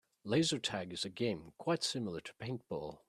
Laser tag is a game quite similar to paintball.